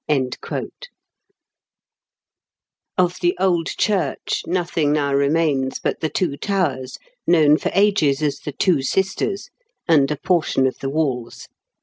'^ Of the old church nothing now remains but the two towers, known for ages as the Two Sisters, and a portion of the walls.